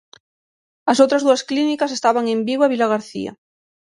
As outras dúas clínicas estaban en Vigo e Vilagarcía.